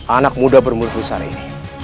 anak muda bermusuh sehari ini